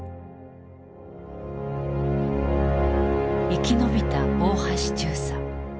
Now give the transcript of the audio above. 生き延びた大橋中佐。